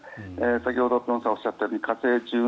先ほど辺さんがおっしゃったように火星